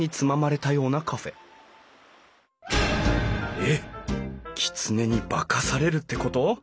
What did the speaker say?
えっきつねに化かされるってこと？